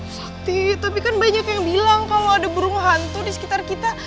sakit tapi kan banyak yang bilang kalau ada burung hantu di sekitar kita